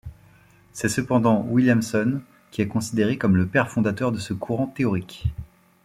C'est cependant Williamson qui est considéré comme le père fondateur de ce courant théorique.